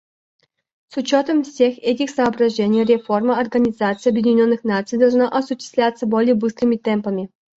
С учетом всех этих соображений реформа Организации Объединенных Наций должна осуществляться более быстрыми темпами.